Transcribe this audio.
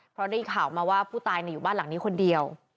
เพราะได้ข่าวมาว่าผู้ตายอยู่บ้านหลังนี้คนเดียว